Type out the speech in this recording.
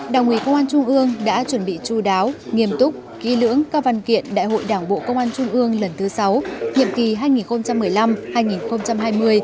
đảng ủy công an trung ương đã chuẩn bị chú đáo nghiêm túc ký lưỡng các văn kiện đại hội đảng bộ công an trung ương lần thứ sáu nhiệm kỳ hai nghìn một mươi năm hai nghìn hai mươi